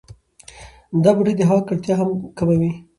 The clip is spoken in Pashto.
دا بوټي د هوا ککړتیا هم کموي.